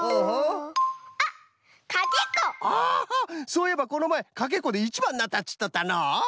そういえばこのまえかけっこでいちばんになったといっとったのう！